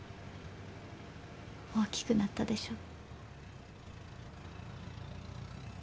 大きくなったでしょう。